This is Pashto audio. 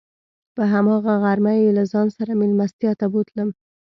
په هماغه غرمه یې له ځان سره میلمستیا ته بوتلم.